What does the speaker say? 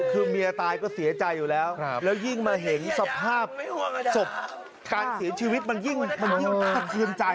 คือเมียตายก็เสียใจอยู่แล้วแล้วยิ่งมาเห็นสภาพศพการเสียชีวิตมันยิ่งน่าสะเทือนใจ